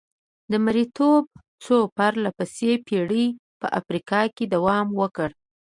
مریتوب څو پرله پسې پېړۍ په افریقا کې دوام وکړ.